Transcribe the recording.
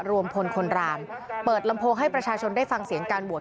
รวมพลคนรามเปิดลำโพงให้ประชาชนได้ฟังเสียงการบวช